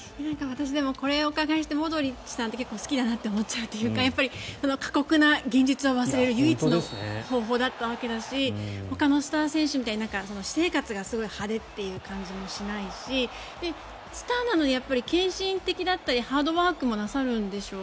私、これをお伺いしてモドリッチさんって結構、好きだなって思っちゃうっていうか過酷な現実を忘れる唯一の方法だったわけだしほかのスター選手みたいな私生活がすごく派手っていう感じもしないしスターなのに献身的だったりハードワークもなさるんでしょ？